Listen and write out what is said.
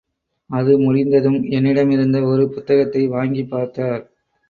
அது முடிந்ததும், என்னிடமிருந்த ஒரு புத்தகத்தை வாங்கிப் பார்த்தார்.